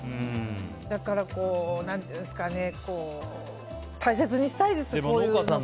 だから、大切にしたいですこういう農家さん。